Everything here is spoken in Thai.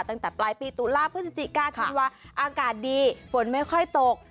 ตั้งแต่ปลายปีตุลาพฤศจิกาธันวาอากาศดีฝนไม่ค่อยตก